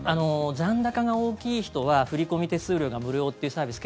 残高が大きい人は振込手数料が無料というサービス